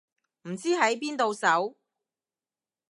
唔知喺邊度搜